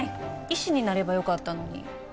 医師になればよかったのに。